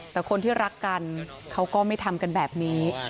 แต่คนที่รักกันเขาก็ไม่ทำกันแบบนี้